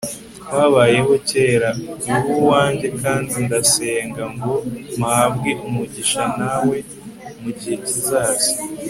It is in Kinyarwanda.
twabayeho kera, uri uwanjye, kandi ndasenga ngo mpabwe umugisha nawe mugihe kizaza